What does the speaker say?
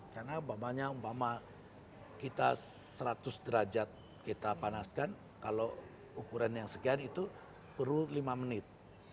karena umpamanya kita seratus derajat kita panaskan kalau ukuran yang sekian itu perlu lima menit